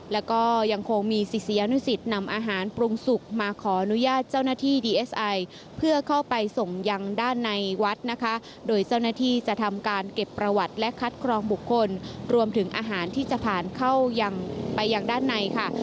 แล้วก็ยังคงมีศิษยานุสิตนำอาหารปรุงสุกมาขออนุญาตเจ้าหน้าที่ดีเอสไอเพื่อเข้าไปส่งยังด้านในวัดนะคะโดยเจ้าหน้าที่จะทำการเก็บประวัติและคัดกรองบุคคลรวมถึงอาหารที่จะผ่านเข้ายังไปยังด้านในค่ะ